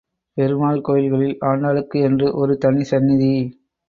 பெருமாள் கோயில்களில் ஆண்டாளுக்கு என்று ஒரு தனி சந்நிதி.